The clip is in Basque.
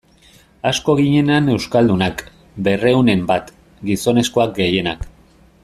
Asko ginen han euskaldunak, berrehunen bat, gizonezkoak gehienak.